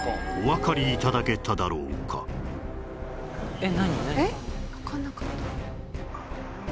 えっ？